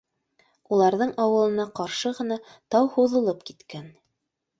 Уларҙың ауылына ҡаршы ғына тау һуҙылып киткән